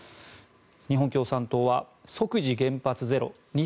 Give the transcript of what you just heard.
日本共産党は即時原発ゼロ。